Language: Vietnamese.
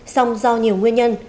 xong do nhiều nguyên nhân